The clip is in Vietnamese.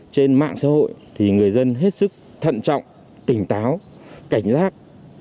trên mạng xã hội thì người dân hết sức thận trọng tỉnh táo cảnh giác